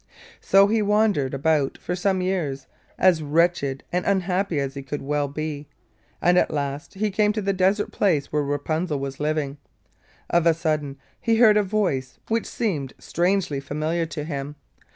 So he wandered about for some years, as wretched and unhappy as he could well be, and at last he came to the desert place where Rapunzel was living. Of a sudden he heard a voice which seemed strangely familiar to him.